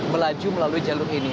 melaju melalui jalur ini